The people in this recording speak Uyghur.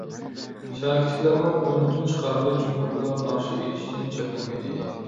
شاكىچىكلەرمۇ ئۈن-تىن چىقارمىدى، چۈنكى ئۇلار ناخشا ئېيتىشتىن چەكلەنگەن ئىدى.